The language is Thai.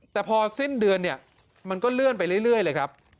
แต่พอสิ้นเดือนเนี่ยมันก็เลื่อนไปเรื่อยเลยครับ